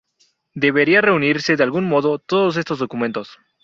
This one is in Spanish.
Debería reunirse, de algún modo, todos estos documentos.